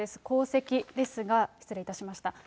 功績ですが、失礼いたしました。